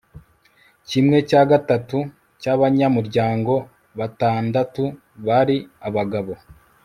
Kimwe cya gatatu cyabanyamuryango batandatu bari abagore